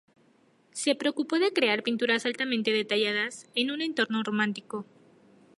Se preocupó de crear pinturas altamente detalladas, en un entorno romántico.